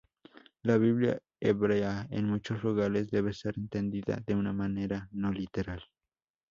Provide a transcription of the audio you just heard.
La Biblia hebrea en muchos lugares debe ser entendida de una manera no literal.